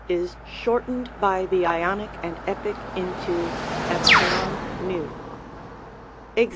is short ened by the Ionic and Epic into ev. Ex.